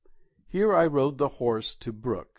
Here I rode the horse to brook.